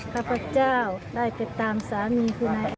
ข้าพระเจ้าได้ไปตามสามีคุณอาหาร